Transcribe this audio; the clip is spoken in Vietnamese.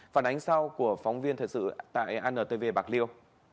phản ánh sau của phóng viên thời sự tại antv bạc liêu